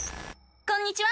こんにちは！